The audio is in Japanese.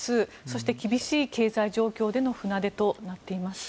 そして、厳しい経済状況での船出となっています。